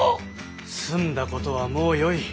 済んだことはもうよい。